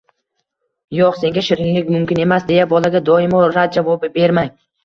“Yo‘q, senga shirinlik mumkin emas”, deya bolaga doimo rad javobi bermang.